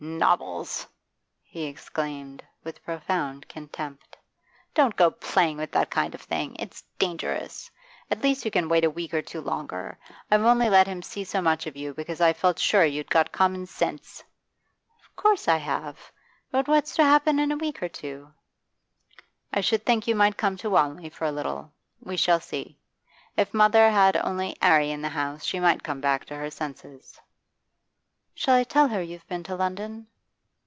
'Novels!' he exclaimed, with profound contempt. 'Don't go playing with that kind of thing; it's dangerous. At least you can wait a week or two longer. I've only let him see so much of you because I felt sure you'd got common sense.' 'Of course I have. But what's to happen in a week or two?' 'I should think you might come to Wanley for a little. We shall see. If mother had only 'Arry in the house, she might come back to her senses.' 'Shall I tell her you've been to London?